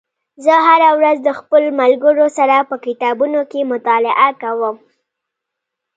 زه هره ورځ د خپلو ملګرو سره په کتابتون کې مطالعه کوم